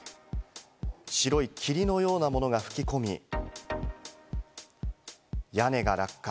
白い霧のようなものが吹き込み、屋根が落下。